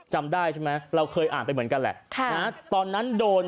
จำได้ใช่ไหมเราเคยอ่านไปเหมือนกันแหละค่ะนะตอนนั้นโดน